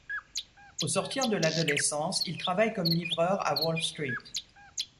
Au sortir de l'adolescence, il travaille comme livreur à Wall Street.